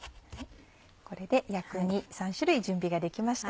これで薬味３種類準備ができました。